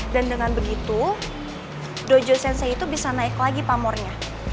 dan dengan begitu dojo sensei itu bisa naik lagi pamornya